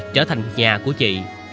trở thành nhà của chị